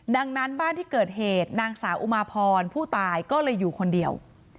ดังนั้นบ้านที่เกิดเหตุนางสาวอุมาพรผู้ตายก็เลยอยู่คนเดียว